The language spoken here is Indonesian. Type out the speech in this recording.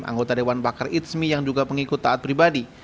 anggota dewan pakar itsmi yang juga pengikut taat pribadi